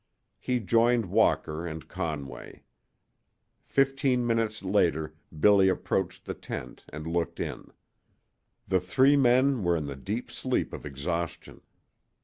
He joined Walker and Conway. Fifteen minutes later Billy approached the tent and looked in. The three men were in the deep sleep of exhaustion.